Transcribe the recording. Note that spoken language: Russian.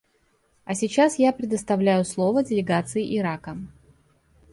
А сейчас я предоставляю слово делегации Ирака.